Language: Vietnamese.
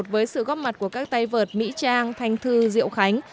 với sự góp mặt của các tay vợt mỹ trang thanh thư diệu khánh